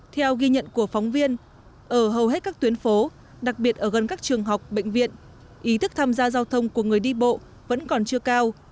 theo ghi nhận của phóng viên ở hầu hết các tuyến phố đặc biệt ở gần các trường học bệnh viện ý thức tham gia giao thông của người đi bộ vẫn còn chưa cao